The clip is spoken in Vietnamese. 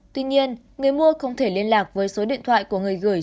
tuy nhiên người mua không thể liên lạc với số điện thoại của người gửi